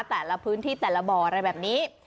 แต่ละพื้นที่แต่ละบ่ออะไรแบบนี้